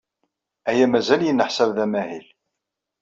Aya mazal yenneḥsab d amahil.